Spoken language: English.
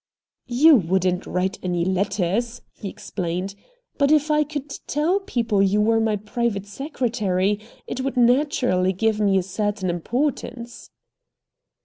"You wouldn't write any letters," he explained. "But if I could tell people you were my private secretary, it would naturally give me a certain importance."